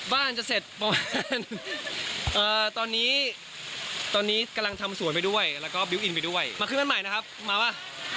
จะเสร็จประมาณตอนนี้ตอนนี้กำลังทำสวนไปด้วยแล้วก็บิวตอินไปด้วยมาขึ้นบ้านใหม่นะครับมาป่ะ